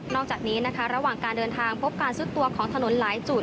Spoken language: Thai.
อกจากนี้นะคะระหว่างการเดินทางพบการซุดตัวของถนนหลายจุด